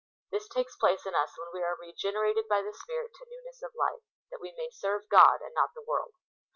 This takes place in us when we are regenerated by the Spirit to newness of life, that we may serve God and not the world.